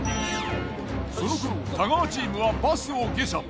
その頃太川チームはバスを下車。